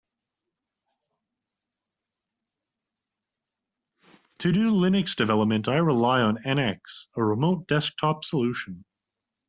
To do Linux development, I rely on NX, a remote desktop solution.